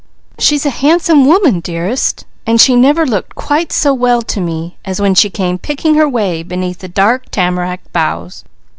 She's a handsome woman, dearest, and she never looked quite so well to me as when she came picking her way beneath the dark tamarack boughs.